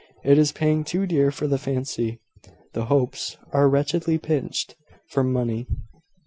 It is paying too dear for the fancy. The Hopes are wretchedly pinched for money.